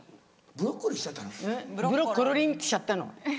ブロッコロリンってしちゃったの。